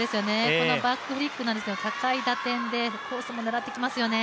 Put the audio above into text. このバックフリックなんですけど、高い打点でコースも狙ってきますよね。